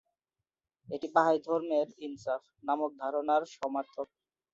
এটি বাহাই ধর্মের "ইনসাফ" নামক ধারণার সমার্থক।